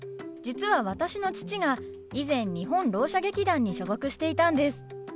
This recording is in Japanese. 実は私の父が以前日本ろう者劇団に所属していたんです。